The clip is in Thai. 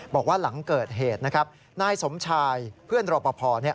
บอกว่าหลังเกิดเหตุนะครับนายสมชายเพื่อนรอปภ